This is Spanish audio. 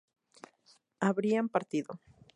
habrían partido